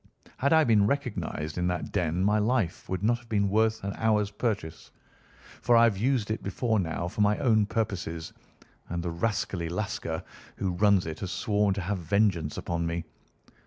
Had I been recognised in that den my life would not have been worth an hour's purchase; for I have used it before now for my own purposes, and the rascally Lascar who runs it has sworn to have vengeance upon me.